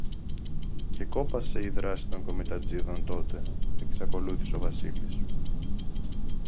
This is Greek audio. Και κόπασε η δράση των κομιτατζήδων τότε», εξακολούθησε ο Βασίλης